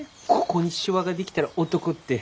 ここにしわが出来たら男って。